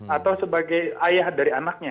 atau sebagai ayah dari anaknya